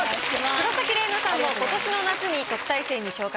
黒崎レイナさんも今年の夏に特待生に昇格。